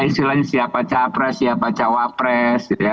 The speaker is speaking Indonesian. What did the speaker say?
istilahnya siapa capres siapa cawapres